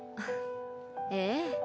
ええ。